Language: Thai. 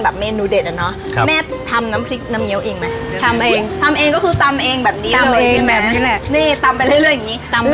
ครับทำเองทำเองคือทำเองแบบดินเนี่ยงี้แหละ